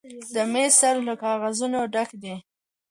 د میز سر له کاغذونو ډک دی.